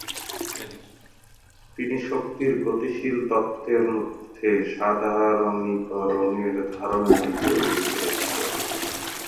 তিনি শক্তির গতিশীল তত্ত্বের মধ্যে সাধারণীকরণের ধারণাটি তৈরি করেছিলেন।